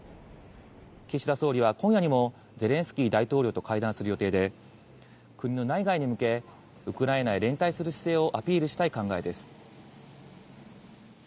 岸田総理は今夜にもゼレンスキー大統領と会談する予定で、国の内外に向け、ウクライナへ連帯する姿勢をアピールしたい考えです。